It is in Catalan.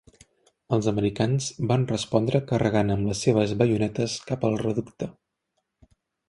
Els americans van respondre carregant amb les seves baionetes cap al reducte.